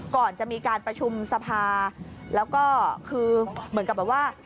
ก่อนจะมีการประชุมสภาแล้วก็คือเหมือนกับแบบว่า